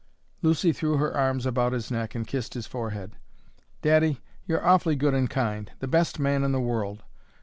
Lucy threw her arms about his neck and kissed his forehead. "Daddy, you're awfully good and kind the best man in the world!